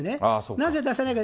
なぜ出せないか。